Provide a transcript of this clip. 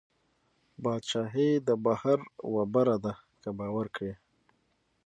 بادشاهي د بحر وبر ده که باور کړې